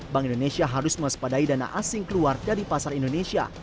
bank indonesia harus mewaspadai dana asing keluar dari pasar indonesia